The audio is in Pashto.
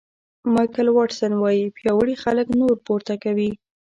مایکل واټسن وایي پیاوړي خلک نور پورته کوي.